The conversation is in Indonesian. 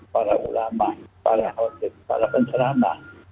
para ulama para khotib para penceramah